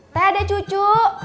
teh ada cucu